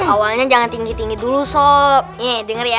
awalnya jangan tinggi tinggi dulu sob denger ya nih